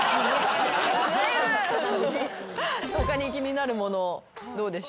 他に気になるものどうでしょう？